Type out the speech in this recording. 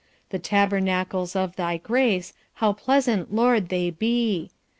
The tabernacles of thy grace, How pleasant, Lord, they be!